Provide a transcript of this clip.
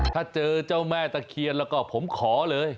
ถ้าเจอเจ้าแม่ตะเคียนแล้วก็ผมขอเลย